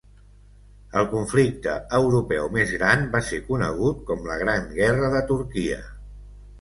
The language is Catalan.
El conflicte europeu més gran va ser conegut com la Gran Guerra de Turquia.